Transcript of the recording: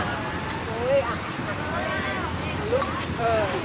อีกใบหนึ่ง